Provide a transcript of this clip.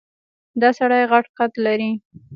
دا سړی غټ قد لري.